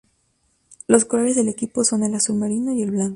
Los colores del equipo son el azul marino y el blanco.